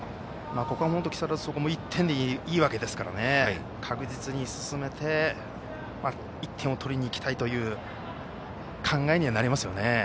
木更津総合は１点でいいわけですから確実に進めて１点を取りにいきたいという考えにはなりますよね。